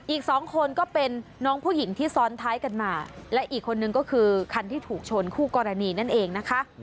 อีกสองคนก็เป็นน้องผู้หญิงที่ซ้อนท้ายกันมาและอีกคนนึงก็คือคันที่ถูกชนคู่กรณีนั่นเองนะคะ